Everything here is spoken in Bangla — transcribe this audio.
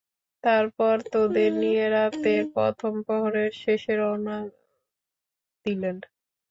তারপর তাদের নিয়ে রাতের প্রথম প্রহরের শেষে রওনা দিলেন।